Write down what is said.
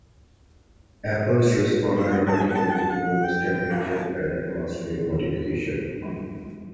Apples respond dramatically to both temperature and atmosphere modification.